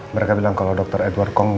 mereka bilang kalau dr edward com